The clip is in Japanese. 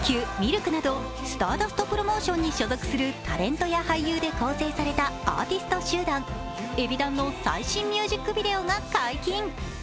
ｌｋなどスターダストプロモーションに所属するタレントや俳優で構成されたアーティスト集団、ＥＢｉＤＡＮの最新ミュージックビデオが解禁。